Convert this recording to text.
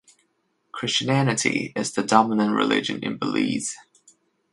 Christianity is the dominant religion in Belize.